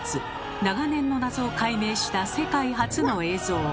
長年の謎を解明した世界初の映像。